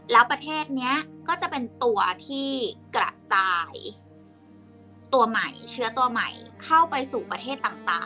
แล้วประเทศนี้ก็จะเป็นตัวที่กระจายตัวใหม่เชื้อตัวใหม่เข้าไปสู่ประเทศต่าง